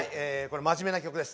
真面目な曲です。